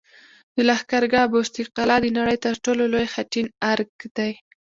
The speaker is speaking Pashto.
د لښکرګاه بست قلعه د نړۍ تر ټولو لوی خټین ارک دی